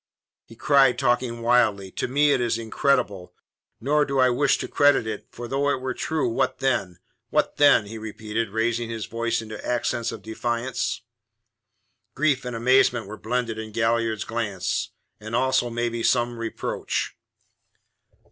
he cried, talking wildly. "To me it is incredible, nor do I wish to credit it, for though it were true, what then? What then?" he repeated, raising his voice into accents of defiance. Grief and amazement were blended in Galliard's glance, and also, maybe, some reproach.